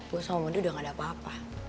gue sama mondi udah nggak ada apa apa